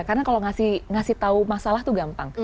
karena kalau ngasih tahu masalah itu gampang